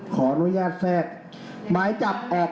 ขอให้ท่านเข้าใจใหม่